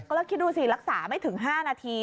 แล้วคิดดูสิรักษาไม่ถึง๕นาที